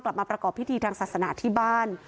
มาประกอบพิธีทางศาสนาที่บ้าน